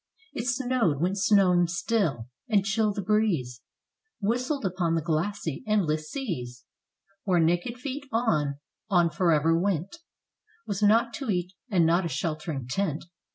It snowed, went snowing still. And chill the breeze Whistled upon the glassy, endless seas, Where naked feet on, on forever went. With naught to eat, and not a sheltering tent.